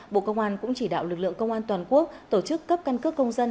bộ công an cũng chỉ đạo lực lượng công an toàn quốc tổ chức cấp căn cước công dân